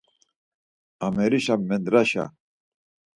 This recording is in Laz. Amerişen mendraşa.